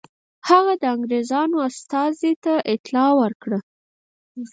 هغه د انګرېزانو استازي ته اطلاع ورکړه.